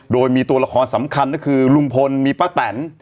โดยมีตัวละครสำคัญก็คือลุงพลมีป้าแตน